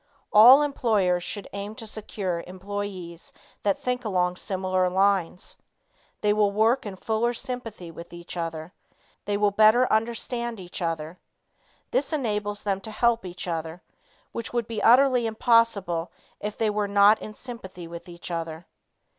All employers should aim to secure employees that think along similar lines. They will work in fuller sympathy with each other. They will better understand each other. This enables them to help each other, which would be utterly impossible if they were not in sympathy with each other.